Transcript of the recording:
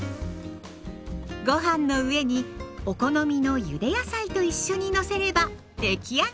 ご飯の上にお好みのゆで野菜と一緒にのせればできあがり。